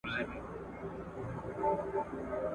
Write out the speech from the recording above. انسان په طبیعت کي آزاد خلق سوی دی ,